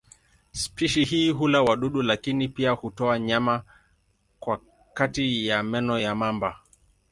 Spishi hii hula wadudu lakini pia hutoa nyama kwa kati ya meno ya mamba.